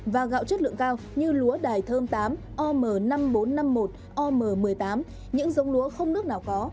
và gạo chất lượng cao như lúa đài thơm tám om năm nghìn bốn trăm năm mươi một om một mươi tám những giống lúa không nước nào có